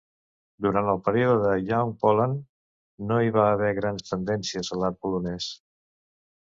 Durant el període de Young Poland, no hi va haver grans tendències a l'art polonès.